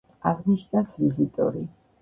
აღნიშნავს ვიზიტორი.